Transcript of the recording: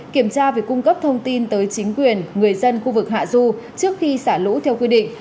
kiểm tra việc cung cấp thông tin tới chính quyền người dân khu vực hạ du trước khi xả lũ theo quy định